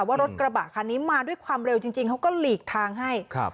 ว่ารถกระบะคันนี้มาด้วยความเร็วจริงเขาก็หลีกทางให้